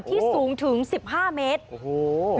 ที่สูงถึงสิบห้าเมตรโอ้โห